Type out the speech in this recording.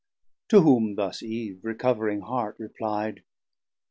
To whom thus Eve, recovering heart, repli'd.